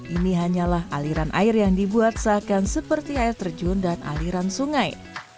ini hanyalah aliran air yang dibuat seakan seperti air terjun dan aliran sungai